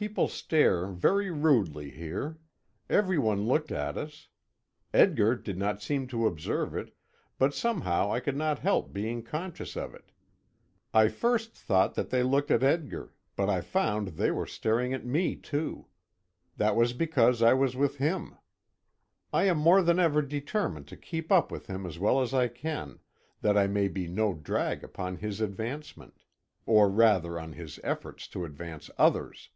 People stare very rudely here. Every one looked at us. Edgar did not seem to observe it, but somehow I could not help being conscious of it. I first thought that they looked at Edgar, but I found they were staring at me too. That was because I was with him. I am more than ever determined to keep up with him as well as I can, that I may be no drag upon his advancement or rather on his efforts to advance others.